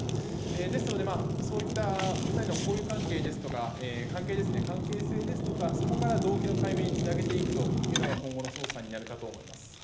ですので、そういった２人の交友関係ですとか関係性ですとかそこから動機の解明につなげていくというのが今後の捜査になると思います。